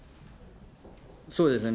そうですね。